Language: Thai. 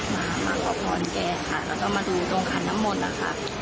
มามาขอพรแกค่ะแล้วก็มาดูตรงขันน้ำมนต์นะคะ